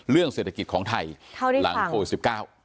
เรื่องเศรษฐกิจของไทยหลังโควิด๑๙